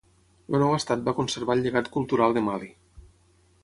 El nou Estat va conservar el llegat cultural de Mali.